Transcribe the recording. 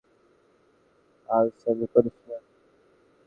আলসেমি করিস না!